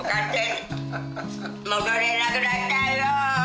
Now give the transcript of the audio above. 戻れなくなっちゃうよ。